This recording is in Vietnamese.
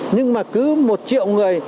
nhưng mà cứ một triệu người